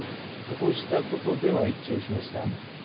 こうしたことでは一致をしました。